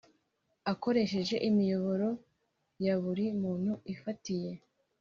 akoresheje imiyoboro ya buri muntu ifatiye